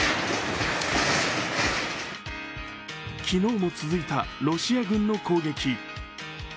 昨日も続いたロシア軍の攻撃。